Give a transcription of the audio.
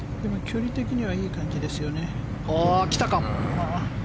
距離的にはいい感じですよね。